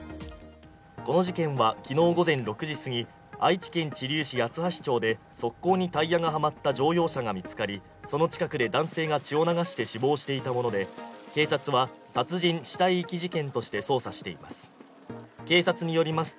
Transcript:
この事件は昨日午前６時すぎ愛知県知立市八橋町で側溝にタイヤがはまった乗用車が見つかり、その近くで男性が血を流して死亡していたもので警察は殺人・死体遺棄事件として捜査しています。